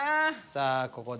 さあここで。